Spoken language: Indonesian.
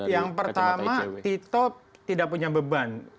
yang pertama tito tidak punya beban